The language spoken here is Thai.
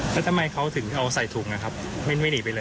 แล้วทำไมเขาถึงเอาใส่ถุงนะครับไม่หนีไปเลย